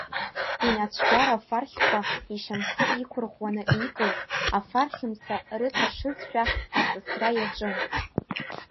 Инацәкьара фархьқәа, ишьамхы иқәырӷәӷәаны иикыз, афархь мца рыҵашызшәа аҵысра иаҿын.